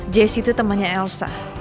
jessy itu temannya elsa